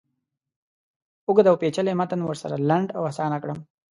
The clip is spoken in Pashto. اوږد اوپیچلی متن ورسره لنډ او آسانه کړم.